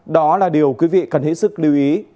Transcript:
đó là điều quý vị cần hết sức lưu ý